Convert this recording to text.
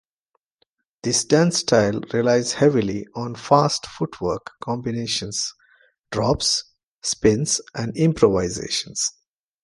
This dance style relies heavily on fast footwork combinations, drops, spins and improvisations.